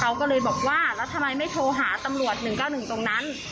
เขาก็เลยบอกว่าแล้วทำไมไม่โทรหาตำรวจ๑๙๑ตรงนั้น